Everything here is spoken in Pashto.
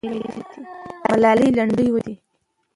ملالۍ لنډۍ ویلې دي.